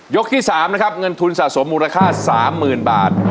ที่๓นะครับเงินทุนสะสมมูลค่า๓๐๐๐บาท